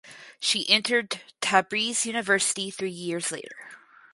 She entered Tabriz University three years later.